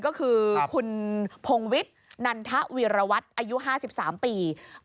ก็คือคุณพงวิทย์นันทวีรวัตรอายุ๕๓ปี